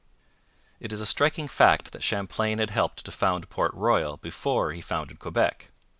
It is a striking fact that Champlain had helped to found Port Royal before he founded Quebec.